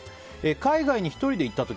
海外に１人で行った時。